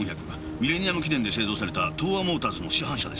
ミレニアム記念で製造された東亜モーターズの市販車です。